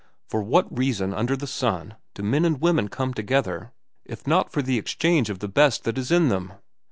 For what reason under the sun do men and women come together if not for the exchange of the best that is in them?